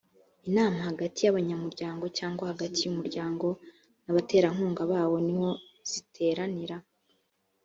inama hagati y’ abanyamuryango cyangwa hagati y’ umuryango n’abaterankunga bawo niho ziteranira